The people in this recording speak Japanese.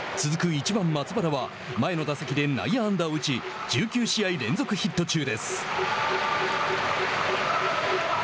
１番松原は前の打席で内野安打を打ち１９試合連続ヒット中です。